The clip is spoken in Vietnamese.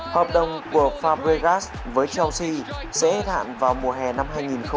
hợp đồng của fabregas với chelsea sẽ hết hạn vào mùa hè năm hai nghìn một mươi chín